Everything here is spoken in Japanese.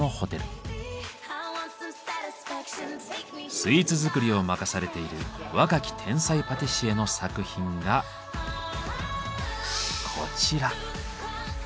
スイーツ作りを任されている若き天才パティシエの作品がこちら。